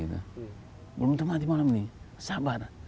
belum tentu mati malam ini sabar